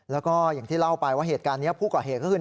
แล้วก็อย่างที่เล่าไปว่าเหตุการณ์นี้ผู้ก่อเหตุก็คือ